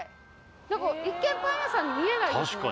何か一見パン屋さんに見えないですね